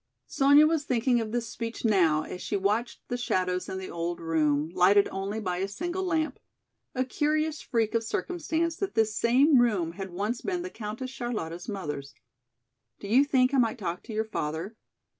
Sonya was thinking of this speech now as she watched the shadows in the old room, lighted only by a single lamp. A curious freak of circumstance that this same room had once been the Countess Charlotta's mother's. "Do you think I might talk to your father?